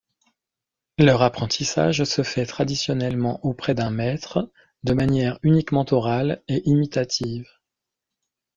Leur apprentissage se fait traditionnellement auprès d'un maître, de manière uniquement orale et imitative.